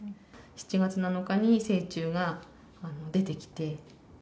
７月７日に成虫が出てきて。